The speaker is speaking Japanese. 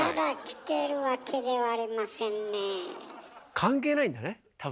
関係ないんだね多分。